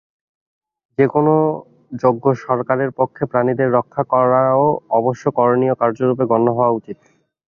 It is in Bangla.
যে-কোন যোগ্য সরকারের পক্ষে প্রাণীদের রক্ষা করাও অবশ্য করণীয় কার্যরূপে গণ্য হওয়া উচিত।